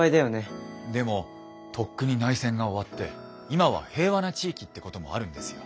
でもとっくに内戦が終わって今は平和な地域ってこともあるんですよ。